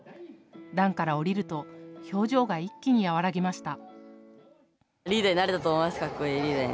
壇から降りると表情が一気に和らぎました。